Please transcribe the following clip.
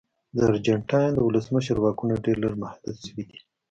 د ارجنټاین د ولسمشر واکونه ډېر لږ محدود شوي دي.